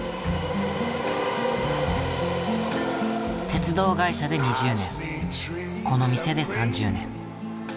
鉄道会社で２０年この店で３０年。